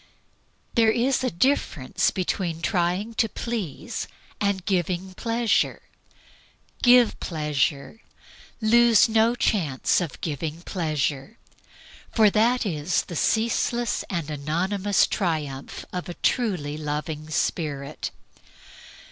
There is a difference between trying to please and giving pleasure. Give pleasure. Lose no chance of giving pleasure; for that is the ceaseless and anonymous triumph of a truly loving spirit.